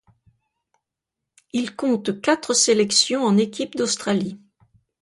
Il compte quatre sélections en équipe d'Australie.